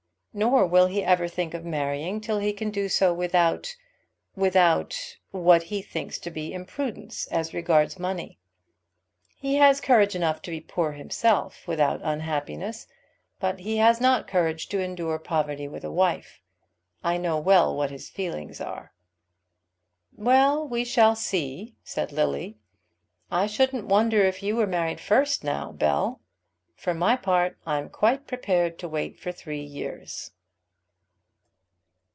Nor will he ever think of marrying till he can do so without, without what he thinks to be imprudence as regards money. He has courage enough to be poor himself without unhappiness, but he has not courage to endure poverty with a wife. I know well what his feelings are." "Well, we shall see," said Lily. "I shouldn't wonder if you were married first now, Bell. For my part I'm quite prepared to wait for three years."